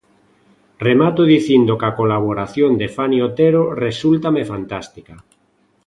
Remato dicindo que a colaboración de Fani Otero resúltame fantástica.